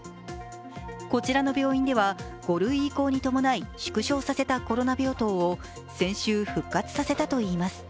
こちらの病院では、５類移行に伴い縮小させたコロナ病棟を先週、復活させたといいます。